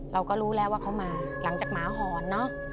เราก็รู้แล้วว่าเขามาหลังจากหมาหอนเนอะ